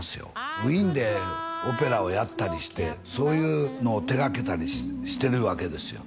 ウイーンでオペラをやったりしてそういうのを手がけたりしてるわけですよ